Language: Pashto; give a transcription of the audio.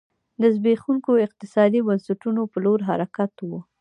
د زبېښونکو اقتصادي بنسټونو په لور حرکت و.